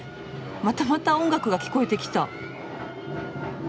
またまた音楽が聞こえてきた！